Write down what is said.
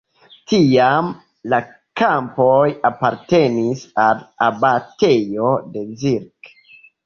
Tiam la kampoj apartenis al abatejo de Zirc.